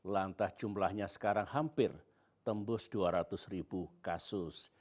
lantas jumlahnya sekarang hampir tembus dua ratus kasus